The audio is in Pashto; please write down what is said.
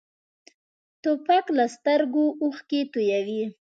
توپک له سترګو اوښکې تویوي.